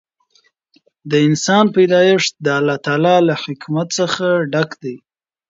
د انسان پیدایښت د الله تعالی له حکمت څخه ډک دی.